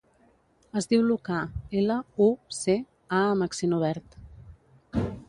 Es diu Lucà: ela, u, ce, a amb accent obert.